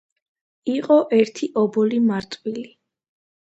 იყო ერთი ობოლი მარტვილი.